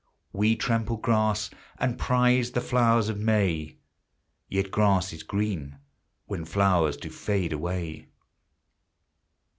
We trample grass, and prize the flowers of May, Yet grass is green when flowers do fade away.